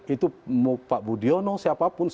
itu mau pak budiono siapapun